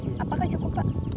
apakah cukup pak